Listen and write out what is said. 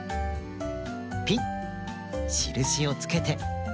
しるしをつけて。